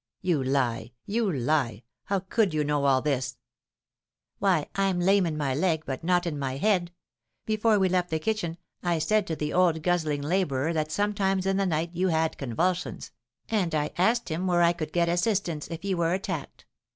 "You lie! you lie! how could you know all this?" "Why, I'm lame in my leg, but not in my head. Before we left the kitchen I said to the old guzzling labourer that sometimes in the night you had convulsions, and I asked him where I could get assistance if you were attacked.